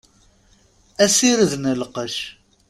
Asired n lqec.